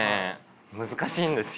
難しいんですよ。